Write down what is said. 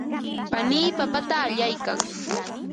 panii papata allaykan.